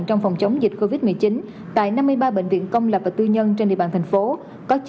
trong phòng chống dịch covid một mươi chín tại năm mươi ba bệnh viện công lập và tư nhân trên địa bàn thành phố